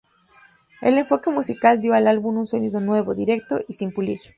El enfoque musical dio al álbum un sonido nuevo, directo y sin pulir.